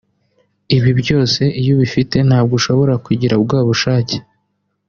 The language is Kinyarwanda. Ibi byose iyo ubifite ntabwo ushobora kugira bwa bushake